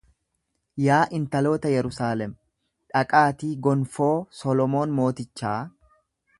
Yaa intaloota Yerusaalem, dhaqaatii gonfoo Solomoon mootichaa,